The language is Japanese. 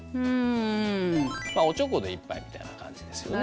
まあおちょこで一杯みたいな感じですよね。